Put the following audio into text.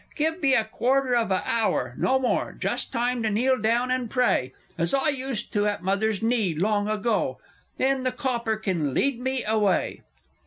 Give me a quarter of a hour no more just time to kneel down and pray, As I used to at mother's knee long ago then the Copper kin lead me away.